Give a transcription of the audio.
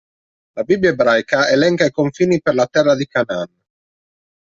La Bibbia ebraica elenca i confini per la terra di Canaan.